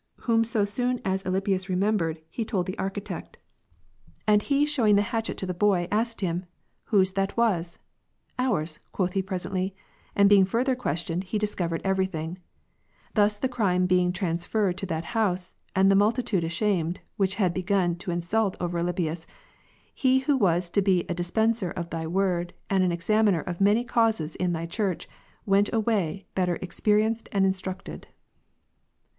Whom so soon as Alypius remembered, he told the architect: and he shewing 98 Alypius' unusual honesty and temptations. CONF. the hatchet to the boy, asked him "Whose that was?" MiU _ "Ours/' quoth he presently: and being further questioned, he discovered every thing. Thus the crime being transferred to that house, and the multitude ashamed, which had begun to insult over Alypius, he who was to be a dispenser of Thy Word, and an examiner of many causes in Thy Church'', went away better exjierienced and instructed.